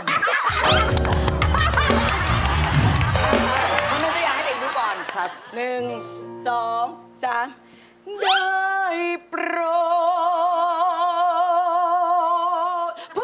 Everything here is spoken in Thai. พี่ตั๊กอย่างให้เสียงดูก่อน